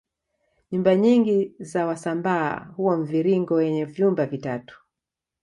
Nyumba nyingi za wasambaa huwa mviringo yenye vyumba vitatu